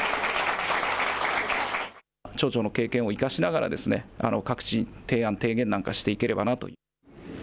町長の経験を生かしながら、各地、提案提言なんかをしていければなと。